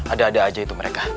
ada ada aja itu mereka